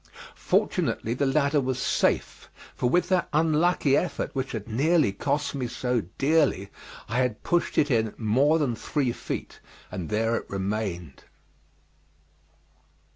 Fortunately the ladder was safe, for with that unlucky effort which had nearly cost me so dearly I had pushed it in more than three feet, and there it remained.